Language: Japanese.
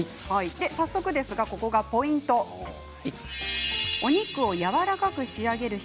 早速ですが、ここがポイントです。